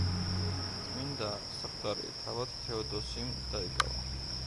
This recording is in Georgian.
წმინდა საყდარი თავად თეოდოსიმ დაიკავა.